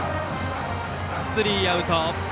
スリーアウト。